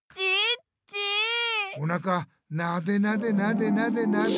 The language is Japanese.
おなかなでなでなでなでなで。